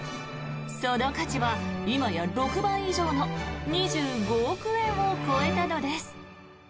その価値は今や６倍以上の２５億円を超えたのです。